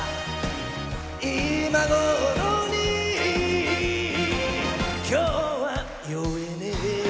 今頃に今日は酔えねぇよ